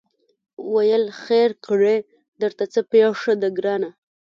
ویل خیر کړې درته څه پېښه ده ګرانه